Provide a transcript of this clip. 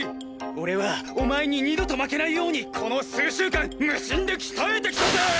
俺はお前に二度と負けないようにこの数週間無心で鍛えてきたぜ！